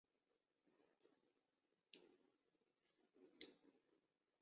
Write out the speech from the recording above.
哈拉卜贾有着悠久的历史。